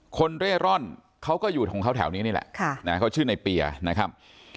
เร่ร่อนเขาก็อยู่ของเขาแถวนี้นี่แหละเขาชื่อในเปียนะครับ